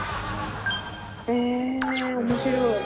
え面白い。